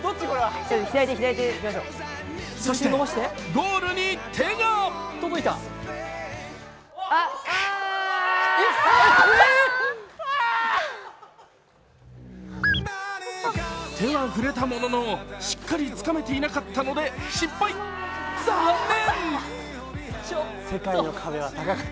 そしてゴールに手が手は触れたもののしっかりつかめていなかったので失敗、残念。